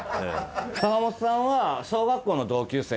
坂本さんは小学校の同級生。